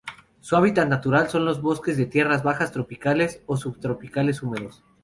Su hábitat natural son los bosques de tierras bajas tropicales o subtropicales húmedos.